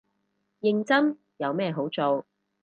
認真，有咩好做